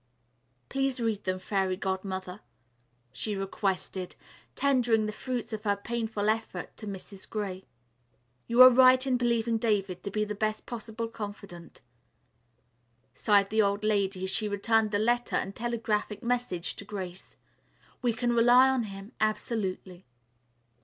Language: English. "Please read them, Fairy Godmother," she requested, tendering the fruits of her painful effort to Mrs. Gray. "You are right in believing David to be the best possible confidant," sighed the old lady as she returned the letter and telegraphic message to Grace. "We can rely on him absolutely."